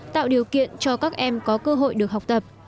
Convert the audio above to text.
tạo điều kiện cho các em có cơ hội được học tập